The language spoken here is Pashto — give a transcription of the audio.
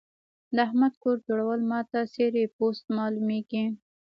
د احمد کور جوړول ما ته څيرې پوست مالومېږي.